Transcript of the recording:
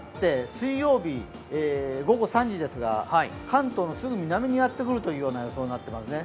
水曜日、午後３時ですが、関東のすぐ南にやってくるという予想になっていますね。